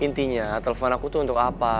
intinya telepon aku itu untuk apa